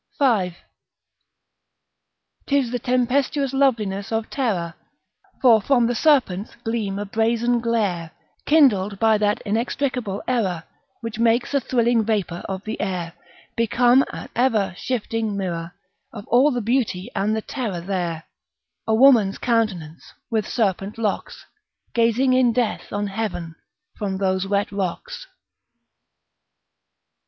V. 'Tis the tempestuous loveliness of terror; For from the serpents gleams a brazen glare Kindled by that inextricable error, Which makes a thrilling vapour of the air Become a and ever shifting mirror Of all the beauty and the terror there A womanŌĆÖs countenance, with serpent locks, Gazing in death on Heaven from those wet rocks.